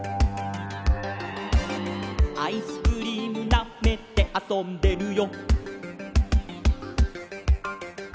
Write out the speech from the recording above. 「アイスクリームなめてあそんでるよ」